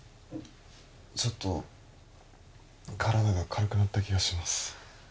ちょっと体が軽くなった気がします